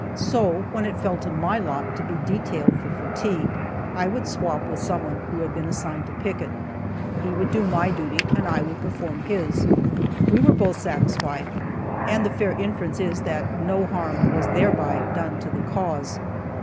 So, when it fell to my lot to be detailed for fatigue, I would swap with someone who had been assigned to picket, he would do my duty, and I would perform his; we were both satisfied, and the fair inference is that no harm was thereby done to the cause.